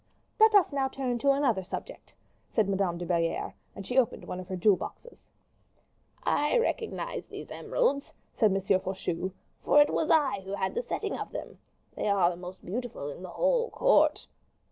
"Let us now turn to another subject," said Madame de Belliere; and she opened one of her jewel boxes. "I recognize these emeralds," said M. Faucheux; "for it was I who had the setting of them. They are the most beautiful in the whole court.